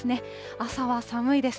朝は寒いです。